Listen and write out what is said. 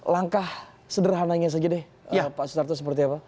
langkah sederhananya saja deh pak sutarto seperti apa